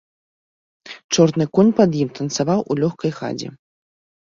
Чорны конь пад ім танцаваў у лёгкай хадзе.